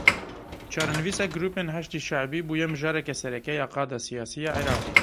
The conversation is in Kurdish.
Çarenivîsa grûpên Heşda Şeibî bûye mijareke sereke ya qada siyasî ya Iraqê.